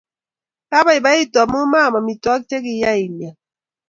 Kabaibaitu amu maam amitwokik chekiyai imyan